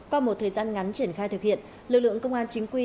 qua một thời gian ngắn triển khai thực hiện lực lượng công an chính quy